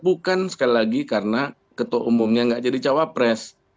bukan sekali lagi karena ketua umumnya nggak jadi cawapres